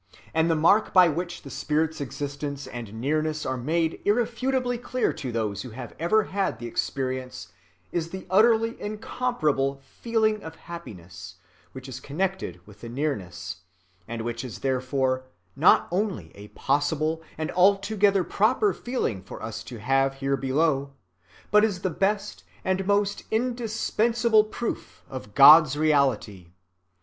And the mark by which the spirit's existence and nearness are made irrefutably clear to those who have ever had the experience is the utterly incomparable feeling of happiness which is connected with the nearness, and which is therefore not only a possible and altogether proper feeling for us to have here below, but is the best and most indispensable proof of God's reality.